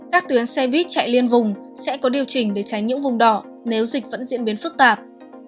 các tuyến xe buýt chạy liên vùng sẽ có điều chỉnh để tránh những vùng đỏ nếu dịch vẫn diễn biến phức tạp